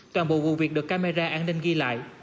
toàn bộ vụ việc được camera an ninh ghi lại